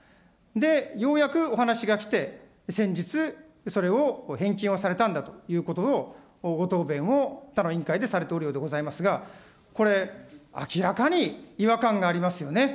で、ようやくお話が来て、先日、それを返金をされたんだということのご答弁を、他の委員会でされているようでございますが、これ、明らかに違和感がありますよね。